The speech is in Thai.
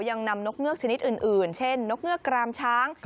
ยังนำนกเงือกชนิดอื่นเช่นนกเงือกกรามช้าง